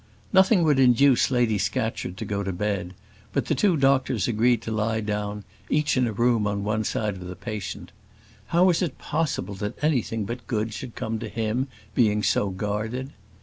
Nothing would induce Lady Scatcherd to go to bed; but the two doctors agreed to lie down, each in a room on one side of the patient. How was it possible that anything but good should come to him, being so guarded?